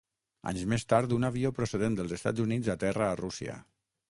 Anys més tard, un avió procedent dels Estats Units aterra a Rússia.